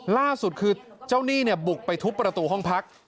ล่าสุดคือเจ้าหนี้เนี่ยบุกไปทุบประตูห้องพัก